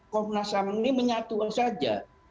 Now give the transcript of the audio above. komnasang ini menyatuan saja